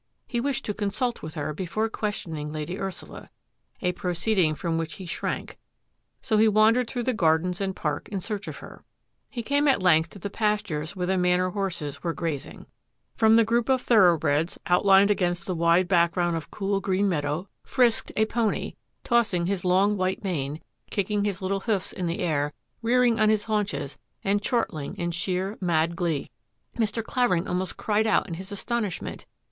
He wished to consult with her before questioning Lady Ursula — a proceed ing from which he shrank — so he wandered through the gardens and park in search of her. He came at length to the pastures where the Manor horses were grazing. From the group of thor MERCEDES QUERO TO THE FORE 823 oughbreds, outlined against the wide background of cool green meadow, frisked a pony, tossing his long white mane, kicking his little hoofs in the air, rearing on his haunches, and chortling in sheer mad glee. Mr. Clavering almost cried out in his astonish ment.